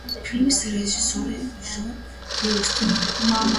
ფილმის რეჟისორია ჯონ ჰიუსტონი.